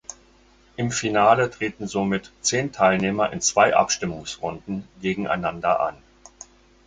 Im Finale treten somit zehn Teilnehmer in zwei Abstimmungsrunden gegeneinander an.